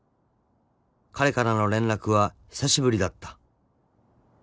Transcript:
［彼からの連絡は久しぶりだった］